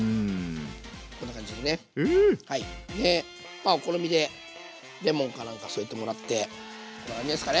まあお好みでレモンか何か添えてもらってこんな感じですかね。